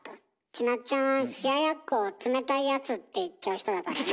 ちなっちゃんは「冷奴」を「つめたいやつ」って言っちゃう人だからね。